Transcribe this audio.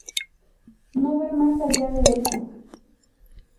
No ve más allá de eso.